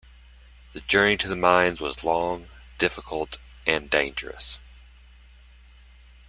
The journey to the mines was long, difficult and dangerous.